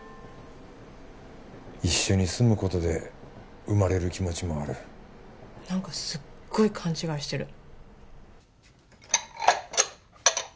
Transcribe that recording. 一緒に住むことで生まれる気持ちもある何かすっごい勘違いしてる